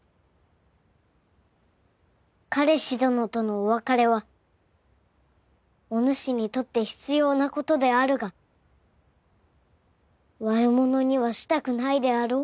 彼氏どのとのお別れはおぬしにとって必要な事であるが悪者にはしたくないであろう？